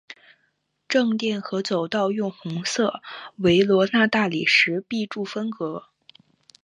正殿和走道用红色维罗纳大理石壁柱分隔。